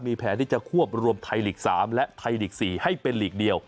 มีแผนที่จะควบรวมไทยลีก๓และไทยลีก๔ให้เป็นหลีกเดียว